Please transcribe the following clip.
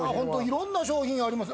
いろんな商品あります。